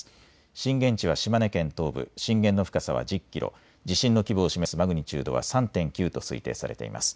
震源地は島根県東部、震源の深さは１０キロ、地震の規模を示すマグニチュードは３．９と推定されます。